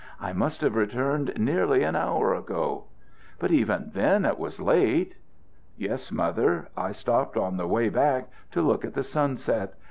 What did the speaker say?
"I must have returned nearly an hour ago." "But even then it was late." "Yes, Mother; I stopped on the way back to look at the sunset.